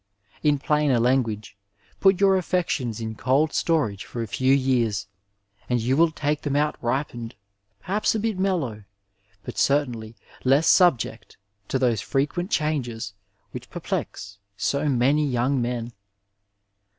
In plainer language, put your affec tions in cold storage for a few years, and you will take th^n out ripened, perhaps a bit meUow, but certainly less subject to those frequent changes which perplex so many young men.